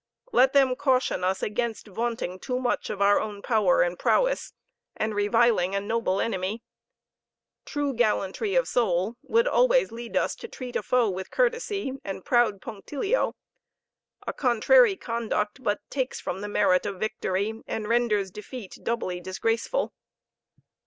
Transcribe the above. Let them caution us against vaunting too much of our own power and prowess, and reviling a noble enemy. True gallantry of soul would always lead us to treat a foe with courtesy and proud punctilio; a contrary conduct but takes from the merit of victory, and renders defeat doubly disgraceful.